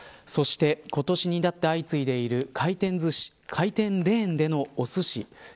そして今年になって相次いでいる回転レーンでのおすし。